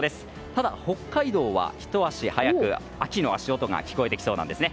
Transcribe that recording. ただ、北海道はひと足早く秋の足音が聞こえてきそうです。